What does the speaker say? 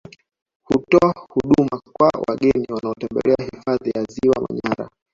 Hutoa huduma kwa wageni wanaotembelea hifadhi ya Ziwa Manyara